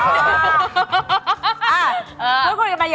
ก็ดีนะเหมือนปลาดุ